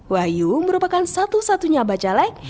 wahyu merupakan satu satunya bacalek